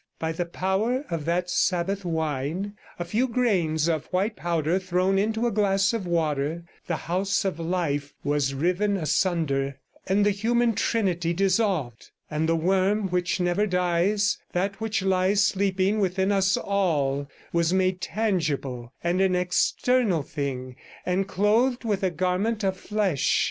By the power of that Sabbath wine, a few grains of white powder thrown into a glass of water, the house of life was riven asunder and the human trinity dissolved, and the worm which never dies, that which lies sleeping within us all, was made tangible and an external thing, and clothed with a garment of flesh.